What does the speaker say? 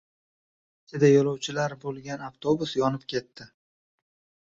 Ichida yo‘lovchilar bo‘lgan avtobus yonib ketdi